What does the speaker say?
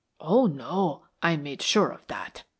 "Oh, no! I made sure of that.